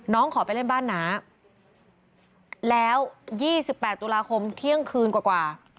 น้องขอไปเล่นบ้านน้าแล้วยี่สิบแปดตุลาคมเที่ยงคืนกว่ากว่า